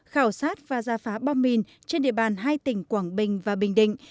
khảo sát và gia phá bom mìn trên địa bàn hai tỉnh quảng bình và bình định